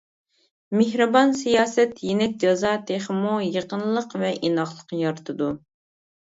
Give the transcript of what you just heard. مېھرىبان سىياسەت، يېنىك جازا تېخىمۇ يېقىنلىق ۋە ئىناقلىق يارىتىدۇ.